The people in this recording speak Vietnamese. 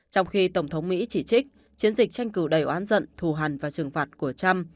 trong khi tổng thống mỹ chỉ trích chiến dịch tranh cử đầy oán giận thù hàn và trừng phạt của trump